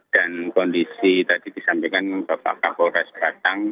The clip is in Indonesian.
dan kondisi tadi disampaikan bapak kak corlantas batang